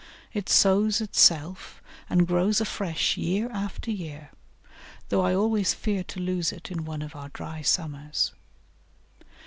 It sows itself and grows afresh year after year, though I always fear to lose it in one of our dry summers.